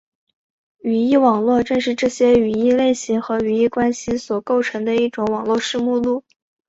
语义网络正是这些语义类型和语义关系所构成的一种网络式目录。